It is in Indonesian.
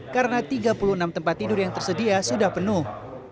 karena tiga puluh enam tempat tidur yang tersedia sudah penuh